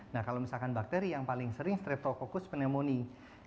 nah kalau misalkan bakteri yang paling sering striptococus pneumonia